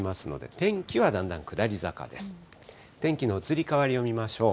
天気の移り変わりを見ましょう。